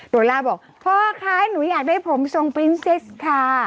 โลล่าบอกพ่อคะหนูอยากได้ผมทรงปรินซิสค่ะ